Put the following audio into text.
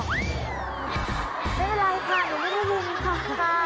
ไม่อะไรค่ะยังไม่ได้ยินค่ะ